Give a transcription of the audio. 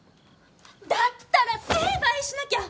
だったら成敗しなきゃ！